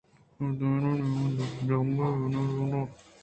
دوئینانی نیام ءَ دپ جنگی ئِے بِنا بُوت